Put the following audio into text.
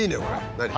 何？